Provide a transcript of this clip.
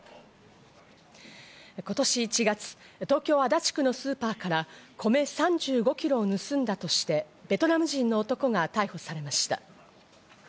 今年１月、東京・足立区のスーパーから米３５ｋｇを盗んだとして、ベトナム人の男が逮捕されました。